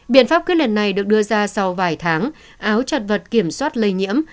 biện pháp quyết liệt này được đưa ra sau vài tháng áo chặt vật kiểm soát lây nhiễm